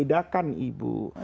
yang afdol itu memang tidak sempurna